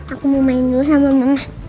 aku mau main dulu sama mama